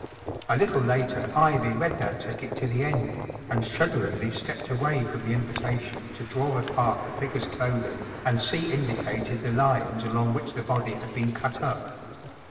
A little later Ivy read that ticket to the end and shudderingly stepped away from the invita¬ tion to draw apart the figure's clothing and see indicated the lines along which the body had been cut up.